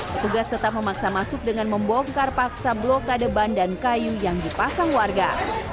petugas tetap memaksa masuk dengan membongkar paksa blokade ban dan kayu yang dipasang warga